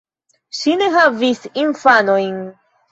Ŝi ne havis infanojn.